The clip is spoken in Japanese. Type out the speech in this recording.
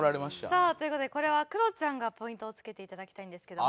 さあという事でこれはクロちゃんがポイントをつけていただきたいんですけども。